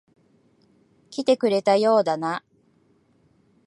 来てくれたようだな。